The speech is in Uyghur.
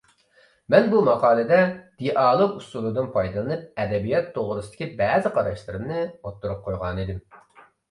مەن بۇ ماقالىدە دىئالوگ ئۇسۇلىدىن پايدىلىنىپ ئەدەبىيات توغرىسىدىكى بەزى قاراشلىرىمنى ئوتتۇرىغا قويغانىدىم.